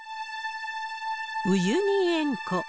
ウユニ塩湖。